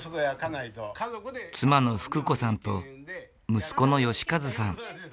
妻の福子さんと息子の良和さん。